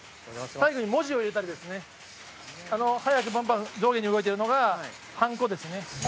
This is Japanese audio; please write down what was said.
最後に文字を入れたり早くばんばん上下に動いているのが判子です。